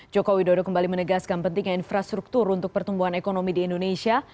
joko widodo kembali menegaskan pentingnya infrastruktur untuk pertumbuhan ekonomi di indonesia